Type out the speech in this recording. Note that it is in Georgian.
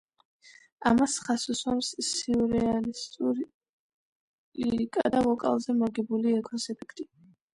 ამას ხაზს უსვამს სიურეალისტური ლირიკა და ვოკალზე მორგებული ექოს ეფექტი.